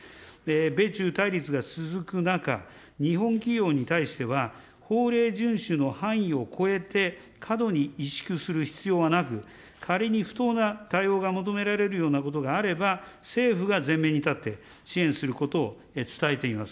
米中対立が続く中、日本企業に対しては、法令順守の範囲を超えて、過度に萎縮する必要はなく、仮に不当な対応が求められるようなことがあれば、政府が前面に立って、支援することを伝えています。